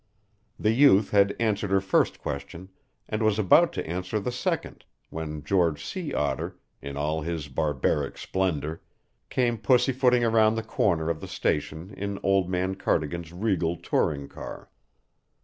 The youth had answered her first question and was about to answer the second when George Sea Otter, in all his barbaric splendour, came pussy footing around the corner of the station in old man Cardigan's regal touring car.